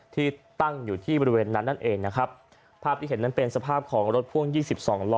ที่ตั้งอยู่ที่บริเวณนั้นนั่นเองนะครับภาพที่เห็นนั้นเป็นสภาพของรถพ่วงยี่สิบสองล้อ